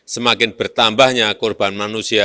semakin bertambahnya korban manusia